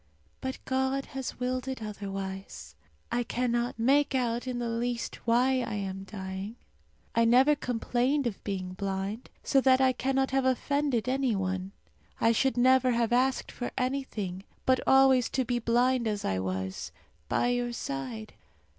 But God has willed it otherwise. I cannot make out in the least why I am dying. I never complained of being blind, so that I cannot have offended any one. I should never have asked for anything, but always to be blind as I was, by your side.